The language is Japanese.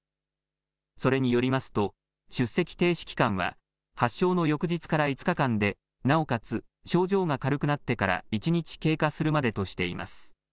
それによりますと出席停止期間は発症の翌日から５日間でなおかつ症状が軽くなってから１日経過するまでとしています。